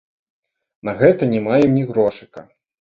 На гэта не маем ні грошыка.